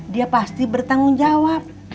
dia pasti bertanggung jawab